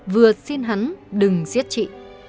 vừa xin hắn đừng giết chị